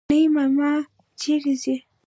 نانی ماما چيري ځې؟